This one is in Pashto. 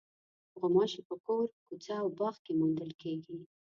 غوماشې په کور، کوڅه او باغ کې موندل کېږي.